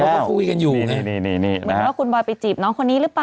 เหมือนว่าคุณบอยไปจีบน้องคนนี้หรือเปล่า